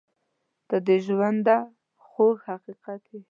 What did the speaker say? • ته د ژونده خوږ حقیقت یې.